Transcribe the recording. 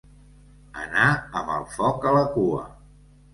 Anar amb el foc a la cua.